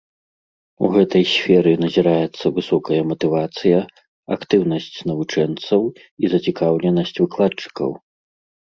У гэтай сферы назіраецца высокая матывацыя, актыўнасць навучэнцаў і зацікаўленасць выкладчыкаў.